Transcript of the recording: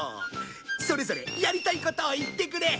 それぞれやりたいことを言ってくれ。